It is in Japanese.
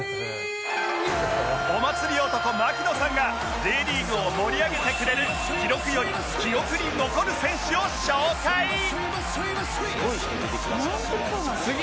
お祭り男槙野さんが Ｊ リーグを盛り上げてくれる記録より記憶に残る選手を紹介「すごい人入れてきますからね」